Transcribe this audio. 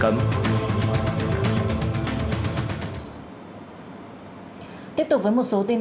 và khách hàng về việc chủ động